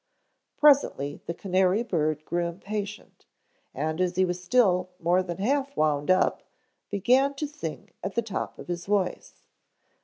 Presently the canary bird grew impatient and as he was still more than half wound up began to sing at the top of his voice.